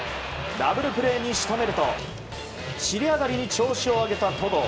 ダブルプレーに仕留めると尻上がりに調子を上げた戸郷。